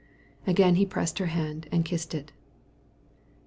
He pressed her hand, and again kissed it.